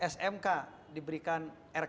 smk diberikan smk atau sie maafkan